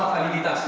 apakah ini berhasil